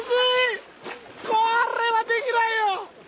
これはできないよ！